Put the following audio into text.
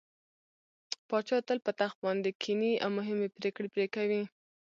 پاچا تل په تخت باندې کيني او مهمې پرېکړې پرې کوي.